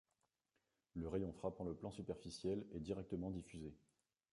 Le rayon frappant le plan superficiel est directement diffusé.